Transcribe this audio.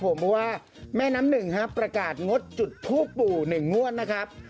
เพราะว่าแม่น้ำหนึ่งประกาศงดจุดทูปปู่๑งวดนะครับ